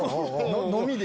飲みで？